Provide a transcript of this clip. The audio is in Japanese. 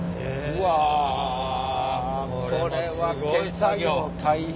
うわこれは手作業大変やで。